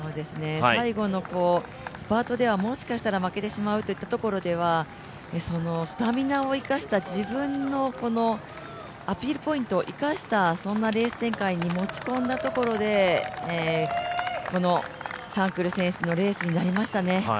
最後のスパートではもしかしたら負けてしまうといったところではスタミナを生かした自分のアピールポイントを生かしたそんなレース展開に持ち込んだところで、このシャンクル選手のレースになりましたね。